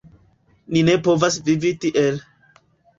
Ni ne povas vivi tiel.